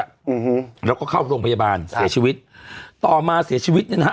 อืมแล้วก็เข้าโรงพยาบาลเสียชีวิตต่อมาเสียชีวิตเนี้ยนะฮะ